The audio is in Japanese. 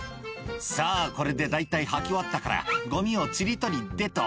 「さぁこれで大体掃き終わったからゴミをちり取りでと」